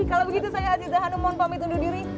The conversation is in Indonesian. kalau begitu saya aziza hanum pamit undur diri